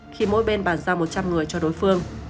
khi mỗi bên bàn giao một trăm linh người cho đối phương